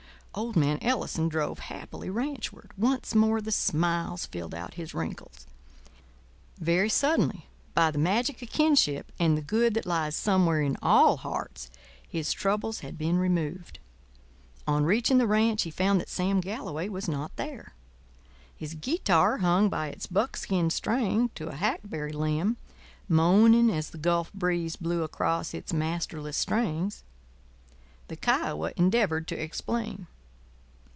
Old man Ellison drove happily ranchward. Once more the smiles filled out his wrinkles. Very suddenly, by the magic of kinship and the good that lies somewhere in all hearts, his troubles had been removed. On reaching the ranch he found that Sam Galloway was not there. His guitar hung by its buckskin string to a hackberry limb, moaning as the gulf breeze blew across its masterless strings. The Kiowa endeavoured to explain.